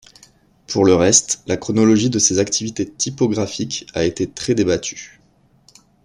Pour le reste, la chronologie de ses activités typographiques a été très débattue.